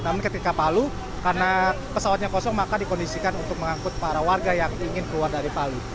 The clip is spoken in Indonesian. namun ketika palu karena pesawatnya kosong maka dikondisikan untuk mengangkut para warga yang ingin keluar dari palu